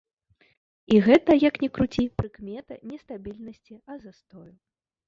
І гэта, як ні круці, прыкмета не стабільнасці, а застою.